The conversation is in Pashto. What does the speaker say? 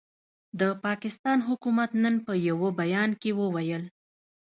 د پاکستان حکومت نن په یوه بیان کې وویل،